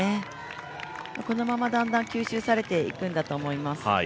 このままだんだん吸収されていくんだと思います。